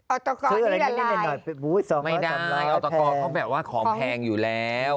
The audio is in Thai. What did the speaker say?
ออร์ตกอร์นี่ละลายไม่ได้ออร์ตกอร์เขาแบบว่าของแพงอยู่แล้ว